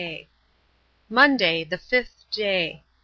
Monday, the fifth day.